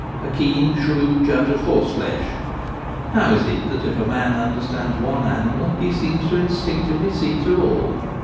A keen, shrewd judge of horse flesh — (how is it that if a man understands one animal he seems to instinctively see through all